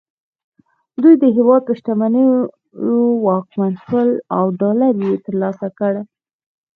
دوی د هېواد په شتمنیو واکمن شول او ډالر یې ترلاسه کړل